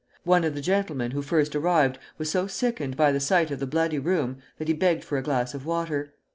One of the gentlemen who first arrived was so sickened by the sight of the bloody room that he begged for a glass of water.